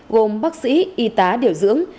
gồm bác sĩ y tá điều dưỡng